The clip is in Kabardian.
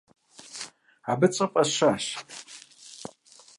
Абы цӏэ фӀэсщащ.